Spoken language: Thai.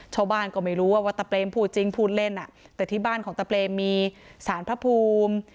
ชาวบ้านก็ไม่รู้ว่าวัตตะเปรมพูดจริงพูดเล่นแต่ที่บ้านของตะเปรมมีสารพระภูมิ